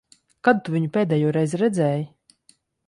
Kad tu viņu pēdējoreiz redzēji?